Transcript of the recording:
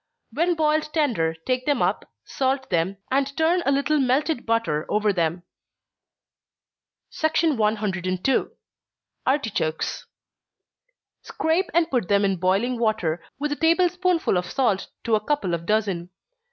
When boiled tender, take them up, salt them, and turn a little melted butter over them. 102. Artichokes. Scrape and put them in boiling water, with a table spoonful of salt to a couple of dozen.